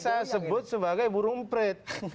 saya sebut sebagai burung prit